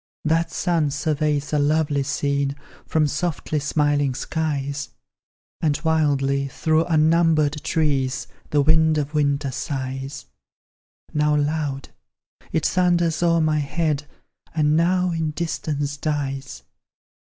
That sun surveys a lovely scene From softly smiling skies; And wildly through unnumbered trees The wind of winter sighs: Now loud, it thunders o'er my head, And now in distance dies.